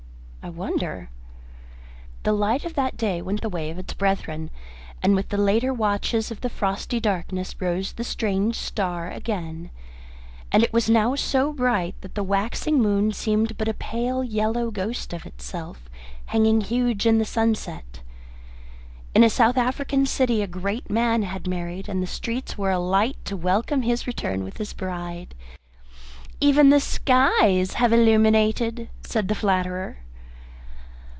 I wonder " The light of that day went the way of its brethren, and with the later watches of the frosty darkness rose the strange star again. And it was now so bright that the waxing moon seemed but a pale yellow ghost of itself, hanging huge in the sunset. In a South African city a great man had married, and the streets were alight to welcome his return with his bride. "Even the skies have illuminated," said the flatterer.